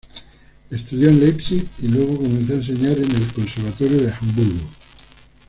Estudió en Leipzig y luego comenzó a enseñar en el Conservatorio de Hamburgo.